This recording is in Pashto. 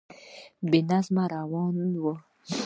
بې نظمی روانه وه.